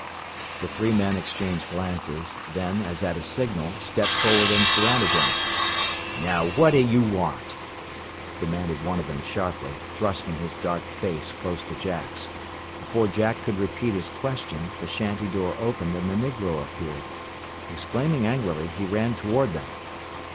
The three men exchanged glances, then, as at a signal, stepped forward and surrounded him. "Now, whata you want?" demanded one of them sharply, thrusting his dark face close to Jack's. Before Jack could repeat his question the shanty door opened and the negro appeared. Exclaiming angrily, he ran toward them.